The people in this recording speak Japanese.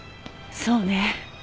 そうね。